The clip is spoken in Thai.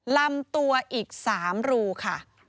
ลำตัวอีก๓รูค่ะ